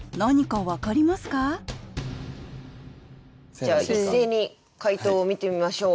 じゃあ一斉に解答を見てみましょう。